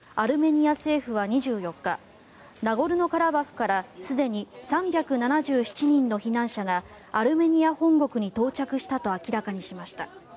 ロイター通信によりますとアルメニア政府は２４日ナゴルノカラバフからすでに３７７人の避難者がアルメニア本国に到着したと明らかにしました。